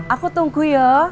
aku tunggu ya